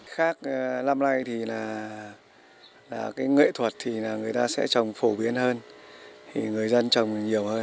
khác năm nay thì là cái nghệ thuật thì là người ta sẽ trồng phổ biến hơn thì người dân trồng nhiều hơn